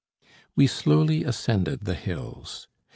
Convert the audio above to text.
We slowly ascended the hills.